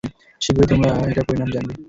শীঘ্রই তোমরা এটার পরিণাম জানবে।